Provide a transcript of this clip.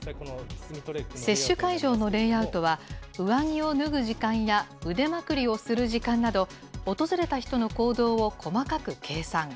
接種会場のレイアウトは、上着を脱ぐ時間や腕まくりをする時間など、訪れた人の行動を細かく計算。